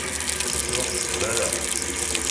Ruḥet qbala.